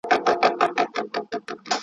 مستقل دولتونه هر څه له لاسه ورکوي.